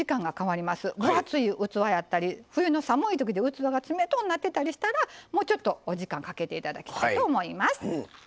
分厚い器やったり冬の寒い時で器が冷とうなってたりしたらもうちょっとお時間かけて頂きたいと思います。